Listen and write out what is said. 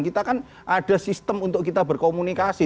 kita kan ada sistem untuk kita berkomunikasi